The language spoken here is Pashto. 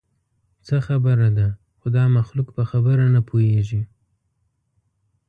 څه خبره ده؟ خو دا مخلوق په خبره نه پوهېږي.